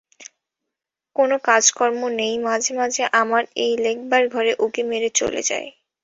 কোনো কাজকর্ম নেই, মাঝে মাঝে আমার এই লেখবার ঘরে উঁকি মেরে চলে যায়।